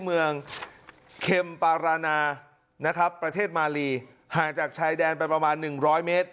เมืองเค็มปารานานะครับประเทศมาลีห่างจากชายแดนไปประมาณ๑๐๐เมตร